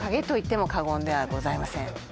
と言っても過言ではございません